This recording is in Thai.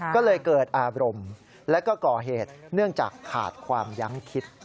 ก็เลยเกิดอารมณ์และก็ก่อเหตุเนื่องจากขาดความยั้งคิด